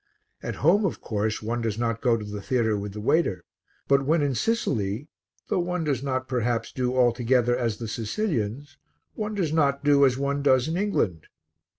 At home, of course, one does not go to the theatre with the waiter, but when in Sicily, though one does not perhaps do altogether as the Sicilians, one does not do as one does in England.